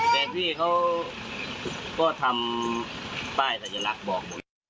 แต่พี่เขาก็ทำป้ายสัญลักษณ์บอก